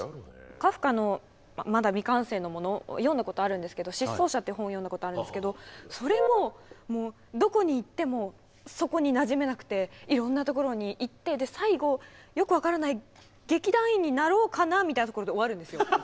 カフカのまだ未完成のものを読んだことあるんですけど「失踪者」っていう本を読んだことあるんですけどそれもどこに行ってもそこになじめなくていろんなところに行って最後よく分からない劇団員になろうかなみたいなところで終わるんですよ。